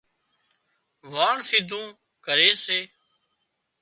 واڻ سيڌون ڪري سي